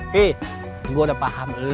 hei gue udah paham ini